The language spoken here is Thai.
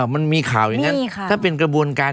มันมีข่าวอย่างนั้น